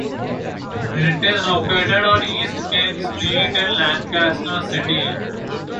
It is located on East King Street in Lancaster City.